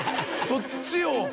そっちを。